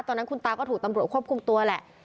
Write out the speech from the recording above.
ตอนนั้นคุณตาก็ถูกตำรวจควบคุมตัวแหละ